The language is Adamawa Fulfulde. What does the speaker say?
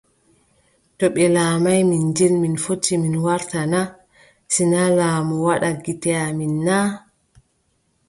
To ɓe laamaay Minjil mi fotti mi warta na ? Si naa laamu waɗa gite amin naa ?